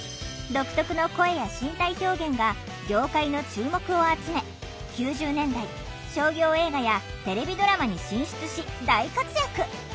独特の声や身体表現が業界の注目を集め９０年代商業映画やテレビドラマに進出し大活躍！